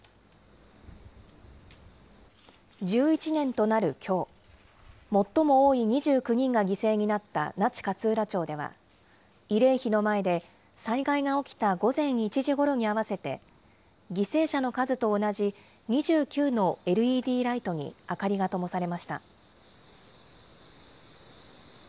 １１年となるきょう、最も多い２９人が犠牲になった那智勝浦町では、慰霊碑の前で災害が起きた午前１時ごろに合わせて、犠牲者の数と同じ２９のＬＥＤライトに明かりがともされました。